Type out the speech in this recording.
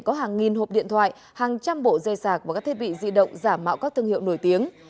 có hàng nghìn hộp điện thoại hàng trăm bộ dây sạc và các thiết bị di động giả mạo các thương hiệu nổi tiếng